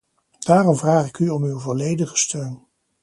Daarom vraag ik u om uw volledige steun.